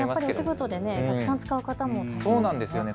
お仕事でたくさん使う方もいらっしゃいますよね。